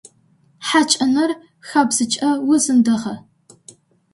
Хьакӏэныр хабзэкӏэ узэндыгъэ.